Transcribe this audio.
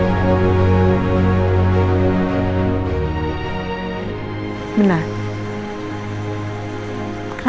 tidak ada yang bisa dikira